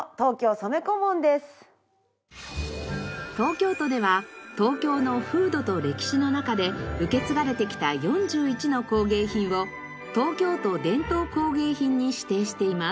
東京都では東京の風土と歴史の中で受け継がれてきた４１の工芸品を東京都伝統工芸品に指定しています。